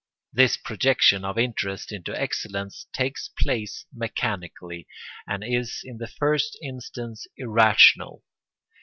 This projection of interest into excellence takes place mechanically and is in the first instance irrational.